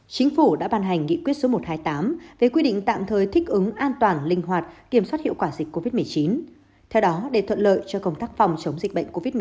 chính phủ đã ban hành nghị quyết số một trăm hai mươi tám về quy định tạm thời thích ứng an toàn linh hoạt kiểm soát hiệu quả dịch covid một mươi chín theo đó để thuận lợi cho công tác phòng chống dịch bệnh covid một mươi chín